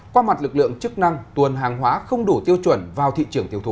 qua mặt lực lượng chức năng tuần hàng hóa không đủ tiêu chuẩn vào thị trường tiêu thụ